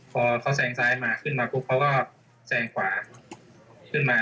พอเขาแซงซ้ายมาขึ้นมาปุ๊บเขาก็แซงขวาขึ้นมา